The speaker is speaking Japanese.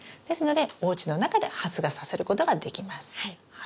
ですのでおうちの中で発芽させることができます。